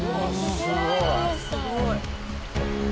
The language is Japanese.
すごい。